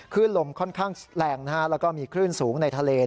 ลมค่อนข้างแรงแล้วก็มีคลื่นสูงในทะเล